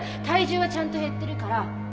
体重はちゃんと減ってるから。